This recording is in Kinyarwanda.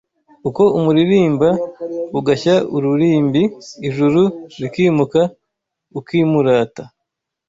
Uko umuririmba ugashya ururimbi Ijuru rikimuka ukimurata